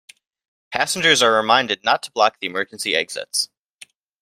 Passengers are reminded not to block the emergency exits.